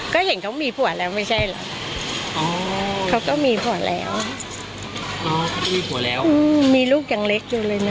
ก็เห็นเขามีผัวแล้วไม่ใช่หรอกเขาก็มีผัวแล้วมีลูกอย่างเล็กอยู่เลยนะ